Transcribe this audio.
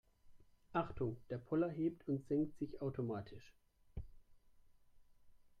Achtung, der Poller hebt und senkt sich automatisch.